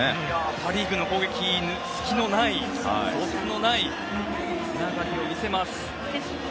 パ・リーグの攻撃隙のない、そつのないつながりを見せます。